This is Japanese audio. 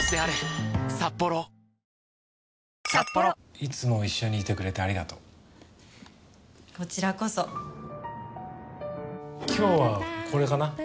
いつも一緒にいてくれてありがとうこちらこそ今日はこれかな